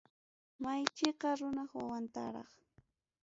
Maychika runap wawantaraq.